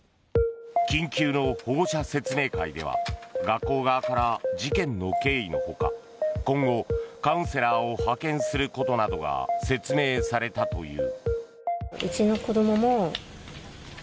緊急の保護者説明会では学校側から事件の経緯のほか今後カウンセラーを派遣することなどが説明されたという。